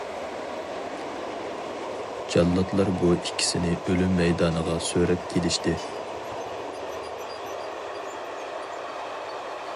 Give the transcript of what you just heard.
جاللاتلار بۇ ئىككىسىنى ئۆلۈم مەيدانىغا سۆرەپ كېلىشتى.